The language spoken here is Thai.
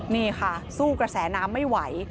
นี่ค่ะสู้กระแสน้ำไม่ไหว